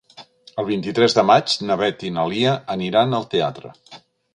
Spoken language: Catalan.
El vint-i-tres de maig na Beth i na Lia aniran al teatre.